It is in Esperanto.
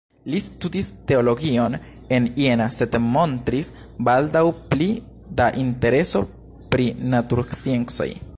Li studis teologion en Jena sed montris baldaŭ pli da intereso pri natursciencoj.